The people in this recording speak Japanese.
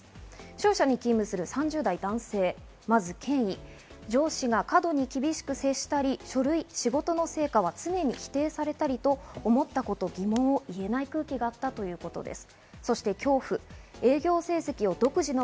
商社に勤務する３０代男性、まず権威、上司が過度に厳しく接したり、書類や仕事の成果は常に否定されたり、思ったことを言えない空気があったということです。